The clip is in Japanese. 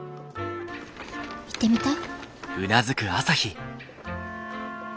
行ってみたい？